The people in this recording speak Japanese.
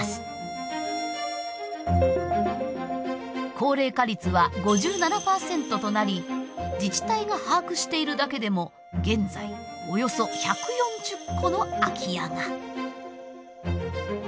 高齢化率は５７％となり自治体が把握しているだけでも現在およそ１４０戸の空き家が。